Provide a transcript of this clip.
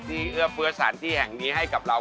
เอื้อเฟื้อสถานที่แห่งนี้ให้กับเรา